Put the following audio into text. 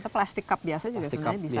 plastik cup biasa juga sebenarnya bisa